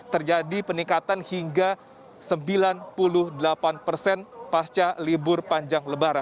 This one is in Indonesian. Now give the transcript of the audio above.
terjadi peningkatan hingga sembilan puluh delapan persen pasca